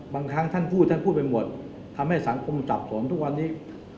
บางครั้งท่านพูดท่านพูดไปหมดทำให้สังคมจับผมทุกวันนี้